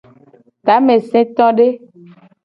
Tamesetode.